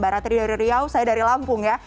mbak ratri dari riau saya dari lampung ya